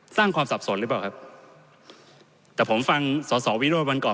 ความสับสนหรือเปล่าครับแต่ผมฟังสอสอวิโรธวันก่อน